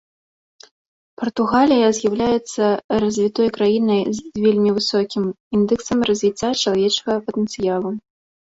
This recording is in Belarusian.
Партугалія з'яўляецца развітой краінай з вельмі высокім індэксам развіцця чалавечага патэнцыялу.